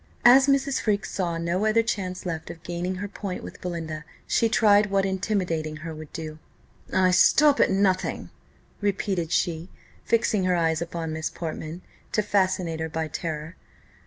As Mrs. Freke saw no other chance left of gaining her point with Belinda, she tried what intimidating her would do. "I stop at nothing," repeated she, fixing her eyes upon Miss Portman, to fascinate her by terror.